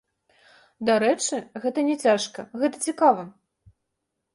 Дарэчы, гэта не цяжка, гэта цікава.